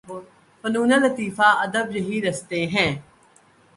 فنون لطیفہ، ادب یہی راستے ہیں۔